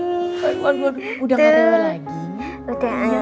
udah gak dewa lagi